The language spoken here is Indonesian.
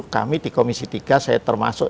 kami di komisi tiga saya termasuk